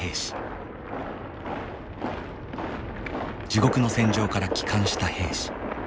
地獄の戦場から帰還した兵士。